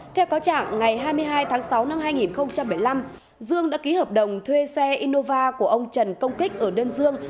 theo cáo trạng ngày hai mươi hai tháng sáu năm hai nghìn một mươi năm dương đã ký hợp đồng thuê xe innova của ông trần công kích ở đơn dương